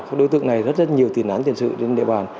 các đối tượng này rất rất nhiều tiền án tiền sự trên địa bàn